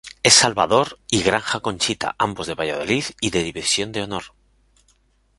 El Salvador y Granja Conchita, ambos de Valladolid y de División de Honor.